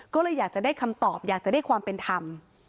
ก็เลยอยากจะได้คำตอบอยากจะได้ความเป็นธรรม